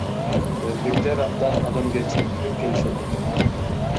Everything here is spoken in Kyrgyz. Өзбектер абдан адамгерчиликтүү келишет экен.